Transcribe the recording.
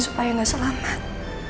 supaya gak selamat